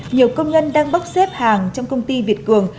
nhiều công nhân đang bốc xếp hàng trong công ty việt cường